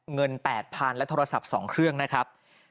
เงิน๘๐๐๐และโทรศัพท์๒เครื่องนะครับ